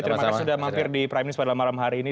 terima kasih sudah mampir di prime news pada malam hari ini